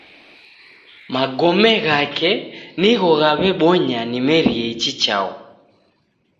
Magome ghake nigho ghaw'ebonya nimerie ichi chaghu